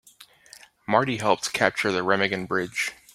Marty helped capture the Remagen Bridge.